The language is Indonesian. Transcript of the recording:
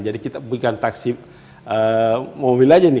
jadi kita bukan taksi mobil aja nih